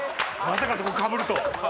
まさかそこかぶるとは。